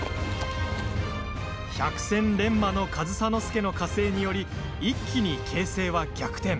百戦錬磨の上総介の加勢により一気に形勢は逆転。